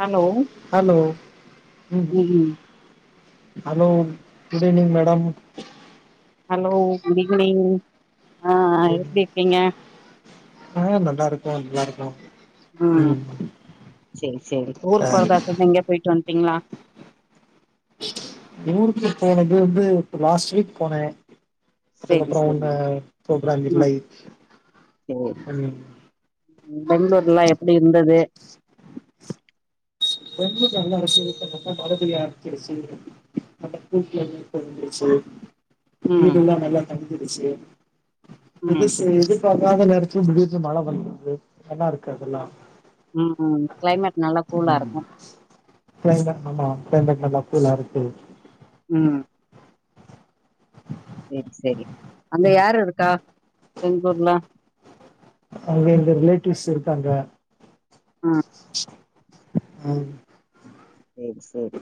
hello hello ம் hello good evening madam hello good evening ஆ evening எப்டி இருக்கீங்க ஆ நல்லாருக்ககோ நல்லாருக்கோ ம் செரி செரி ஊருக் ஆ போறதா சொன்னீங்க போய்ட்டு வந்ட்டீங்ளா ஊருக்கு போனது வந்து இப்ப லாஸ்ட் வீக் போனே சேரி அதுக்கப்ற சேரி ஒன்ன புரோகிராம் இல்லை ம் சேரி [unintelligible] பெங்களூர்லா எப்டி இருந்தது பெங்ளூர் நல்லாருக்கு இப்ப ரொம்ப மழ பெய்ய ஆரம்பிச்சிருச்சு அந்த பூட்டி அருவி தொறந்துருச்சு ம் வீடுல்லா நல்லா தங்கிருச்சு ம் புதுசு இது சாதாரண நேரத்துல முடிஞ்சு மழை வந்துடுது நல்லா இருக்கு அதெல்லா ம் கிளைமேட் நல்ல ம் கூலாருக்கு கிளைமேட் நல்லா கிளைமேட் நல்லா கூலா இருக்கு ம் செரி செரி அங்க யாரு இருக்கா பெங்ளுர்ல அங்க எங்க ரிலேட்டிவ்ஸ் இருக்காங்க ம் அவ் செரி செரி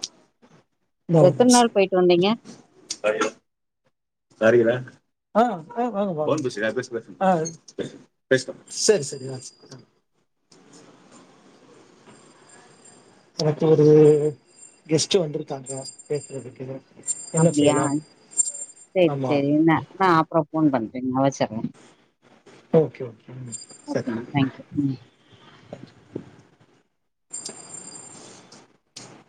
எத்தன் நாள் போய்ட்டு வந்தீங்க டையூன் தரியல ஆஹ் ஆஹ் வாங்க வாங்க போன் பேசுறியா பேசு பேசு ஆஹ் பேசு பேசு பேசுப்பா சரி சரி ஆஹ் சரி இன்னைக்கு ஒரு கெஸ்ட்டு வந்ருக்காங்க பேசுறதுக்கு என்ன அப்டியா செய்யலாம் செரி ஆமா செரி என்ன நா அப்புறோ ஃபோன் பண்றேங்க வச்சுர்ற ஓகே ஓகே ம் சரி தேங்க்யூ ம்